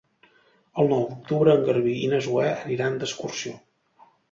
El nou d'octubre en Garbí i na Zoè aniran d'excursió.